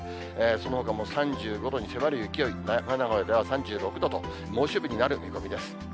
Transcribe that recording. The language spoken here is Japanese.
そのほかも３５度に迫る勢い、名古屋では３６度と、猛暑日になる見込みです。